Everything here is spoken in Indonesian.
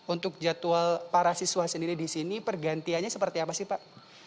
untuk jadwal para siswa sendiri di sini pergantiannya seperti apa sih pak